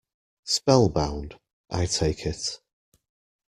Spell-bound, I take it.